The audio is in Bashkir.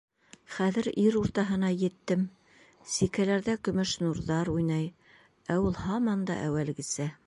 Хәҙер ир уртаһына еттем, сикәләрҙә көмөш нурҙар уйнай, ә ул һаман да әүәлгесә.